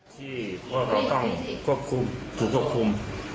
ที่พ่อเขาต้องถูกควบคุม